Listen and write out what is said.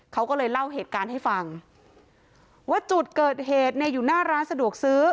เขาก็เลยเล่าเหตุการณ์ให้ฟังว่าจุดเกิดเหตุเนี่ยอยู่หน้าร้านสะดวกซื้อ